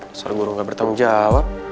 asal guru nggak bertanggung jawab